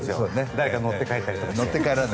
誰か乗って帰ったりして。